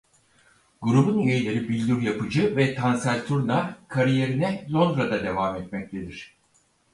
Grubun üyeleri Billur Yapıcı ve Tansel Turna kariyerine Londra'da devam etmektedir.